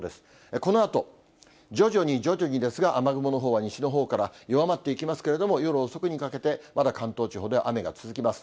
このあと、徐々に徐々にですが、雨雲のほうは西のほうから弱まっていきますけれども、夜遅くにかけて、まだ関東地方では雨が続きます。